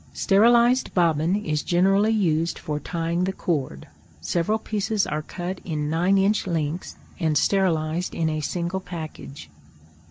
Sterilized bobbin is generally used for tying the cord. Several pieces are cut in nine inch lengths and sterilized in a single package.